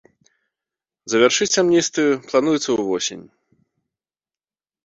Завяршыць амністыю плануецца ўвосень.